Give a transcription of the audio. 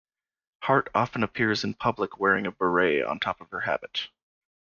Hart often appears in public wearing a beret on top of her habit.